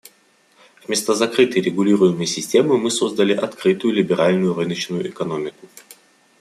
Вместо закрытой, регулируемой системы мы создали открытую, либеральную рыночную экономику.